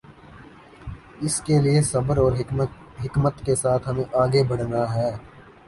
اس کے لیے صبر اور حکمت کے ساتھ ہمیں آگے بڑھنا ہے۔